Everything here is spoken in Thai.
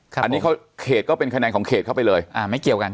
อันนี้เขาเขตก็เป็นคะแนนของเขตเข้าไปเลยอ่าไม่เกี่ยวกัน